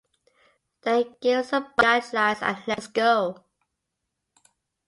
They gave some broad guidelines and let us go.